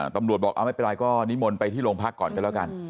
ตำรวจบอกเอาไม่เป็นไรก็นิมนต์ไปที่โรงพักก่อนกันแล้วกัน